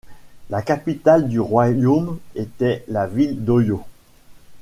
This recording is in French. La capitale du royaume était la ville d'Oyo.